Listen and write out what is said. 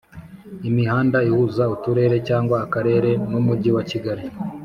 imihanda ihuza Uturere cyangwa Akarere n’Umujyi wa Kigali